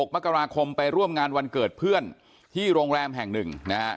มกราคมไปร่วมงานวันเกิดเพื่อนที่โรงแรมแห่งหนึ่งนะฮะ